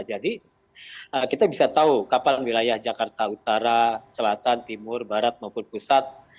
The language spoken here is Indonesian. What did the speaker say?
kita bisa tahu kapal wilayah jakarta utara selatan timur barat maupun pusat